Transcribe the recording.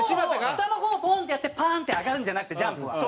下の方をポーン！ってやってパーン！って上がるんじゃなくてジャンプは。